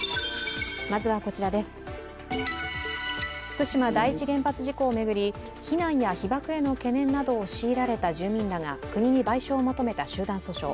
福島第一原発を巡り、避難や被爆などへの危険を強いられた住民らが国に賠償を求めた集団訴訟。